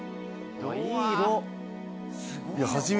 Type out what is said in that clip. ・いい色。